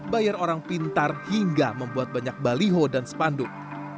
bayar orang pintar hingga membuat banyak baliho dan sepanduk